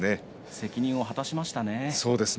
責任を果たしましたね。